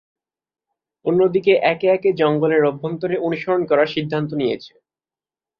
অন্যদিকে একে একে জঙ্গলের অভ্যন্তরে অনুসরণ করার সিদ্ধান্ত নিয়েছে।